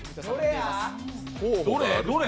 どれ？